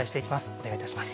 お願いいたします。